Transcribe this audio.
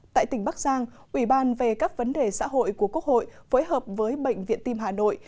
tại tỉnh bắc giang ủy ban về các vấn đề xã hội của quốc hội phối hợp với bệnh viện tim hà nội